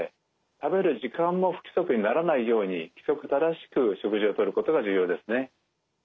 食べる時間も不規則にならないように規則正しく食事をとることが重要ですね。